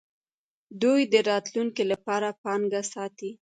دوی د راتلونکي لپاره پانګه ساتي.